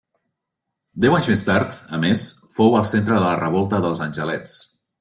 Deu anys més tard, a més, fou el centre de la Revolta dels Angelets.